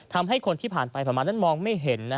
ทำให้คนที่ผ่านไปผ่านมานั้นมองไม่เห็น